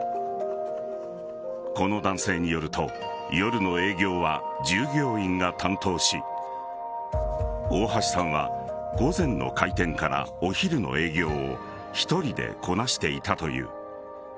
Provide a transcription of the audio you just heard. この男性によると夜の営業は従業員が担当し大橋さんは午前の開店からお昼の営業を１人でこなしていたという。